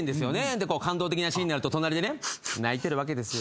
で感動的なシーンになると隣でね泣いてるわけですよ。